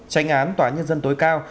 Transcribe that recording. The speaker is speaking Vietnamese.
tranh án tòa nhân dân tối cao